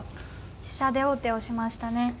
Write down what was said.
飛車で王手をしましたね。